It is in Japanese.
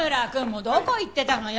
もうどこ行ってたのよ！？